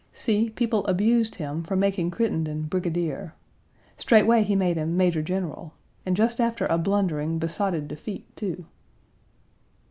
See, people abused him for making Crittenden brigadier. Straightway he made him major general, and just after a blundering, besotted defeat, too."